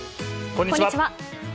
こんにちは。